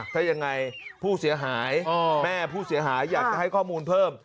ถ้ายังไงผู้เสียหายแม่ผู้เสียหายอยากจะให้ข้อมูลเพิ่ม